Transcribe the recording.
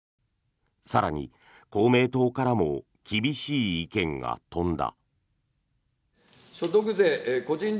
更に、公明党からも厳しい意見が飛んだ。